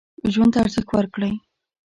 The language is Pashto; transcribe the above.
ژوند ته ارزښت ورکړئ.